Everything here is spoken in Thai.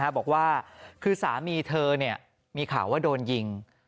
บอกว่าคือสามีเธอมีข่าวว่าโดนยิง